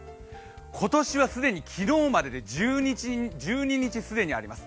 今年は既に昨日までで１２日あります。